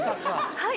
はい。